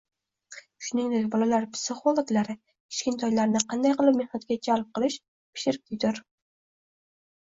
Shuningdek, bolalar psixologlari kichkintoylarni qanday qilib mehnatga jalb qilish, pishir-kuydir